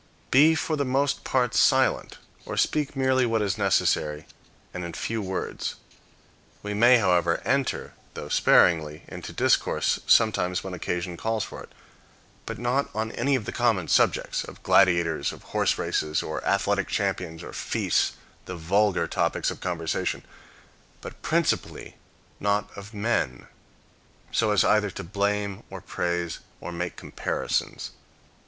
Be for the most part silent, or speak merely what is necessary, and in few words. We may, however, enter, though sparingly, into discourse sometimes when occasion calls for it, but not on any of the common subjects, of gladiators, or horse races, or athletic champions, or feasts, the vulgar topics of conversation; but principally not of men, so as either to blame, or praise, or make comparisons.